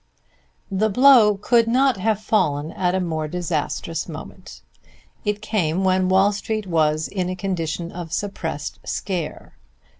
The blow could not have fallen at a more disastrous moment. It came when Wall Street was in a condition of suppressed "scare."